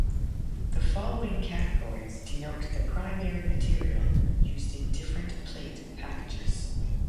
The following categories denote the primary material used in different plate packages.